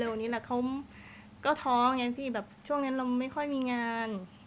เร็วนี้แหละเขาก็ท้องช่วงนั้นเราไม่ค่อยมีงาน